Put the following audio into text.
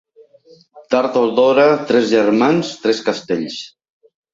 Tard o d'hora, tres germans, tres castells.